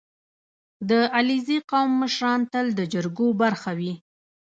• د علیزي قوم مشران تل د جرګو برخه وي.